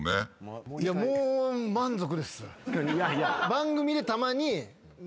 番組でたまに。